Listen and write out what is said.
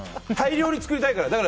大量に作りたいから。